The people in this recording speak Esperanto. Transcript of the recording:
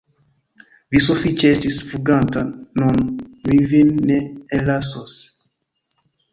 Vi sufiĉe estis fluganta, nun mi vin ne ellasos!